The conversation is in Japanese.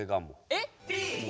えっ。